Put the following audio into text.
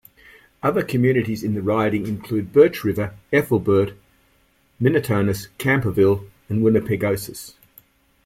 Other communities in the riding include Birch River, Ethelbert, Minitonas, Camperville and Winnipegosis.